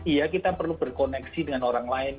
iya kita perlu berkoneksi dengan orang lain